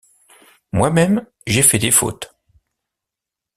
Moi-même, j’ai fait des fautes.